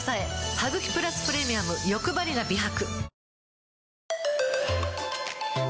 「ハグキプラスプレミアムよくばりな美白」